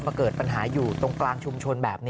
เกิดปัญหาอยู่ตรงกลางชุมชนแบบนี้